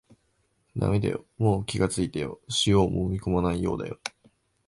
だめだよ、もう気がついたよ、塩をもみこまないようだよ